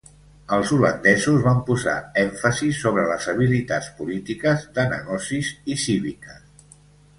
Els holandesos van posar èmfasi sobre les habilitats polítiques, de negocis i cíviques.